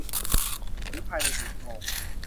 หรือภายใน สี่ ชั่วโมง